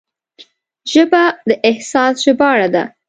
ژبه د احساس ژباړه ده